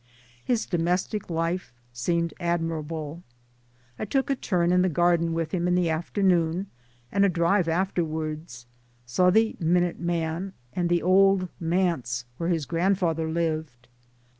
His domestic life seemed adrnirable. I took a turn in the garden with him in the afternoon and a drive afterwards saw the * Minute Man ' and the * old Manse ' where his grandfather lived.